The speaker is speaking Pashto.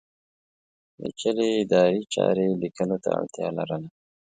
پېچلې ادارې چارې لیکلو ته اړتیا لرله.